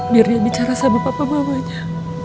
biar dia bicara sama papa mamanya